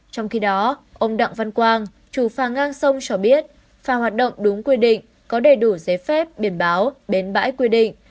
trong khi đó ông đặng văn quang chủ phà ngang sông cho biết phà hoạt động đúng quy định có đầy đủ giấy phép biển báo bến bãi quy định